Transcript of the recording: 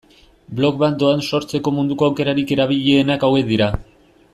Blog bat doan sortzeko munduko aukerarik erabilienak hauek dira.